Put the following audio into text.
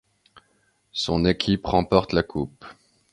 Son équipe remporte la Coupe.